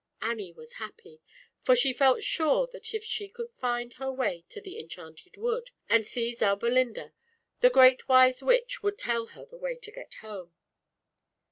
Annie was happy, for she felt sure that if she could find her way to the Enchanted Wood, and see Zauberlinda, the Great Wise Witch would tell her the way to get home.